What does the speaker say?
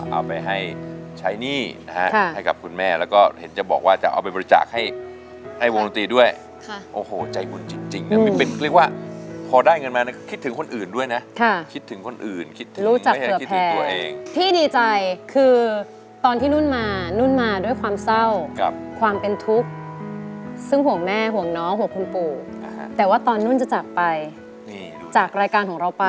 เอาล่ะเลือกให้ดีอยู่ที่การเลือกนะ